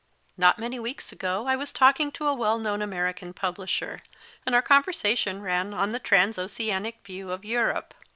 Not many weeks ago I was talking to a well known Ame rican publisher, and our conversation ran on the trans oceanic view of Europe.